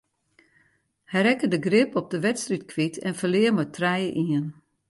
Hy rekke de grip op de wedstryd kwyt en ferlear mei trije ien.